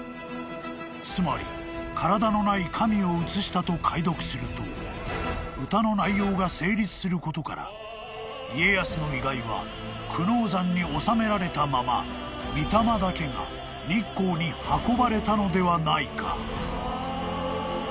［つまり体のない神を移したと解読すると歌の内容が成立することから家康の遺骸は久能山に納められたままみ霊だけが日光に運ばれたのではないか］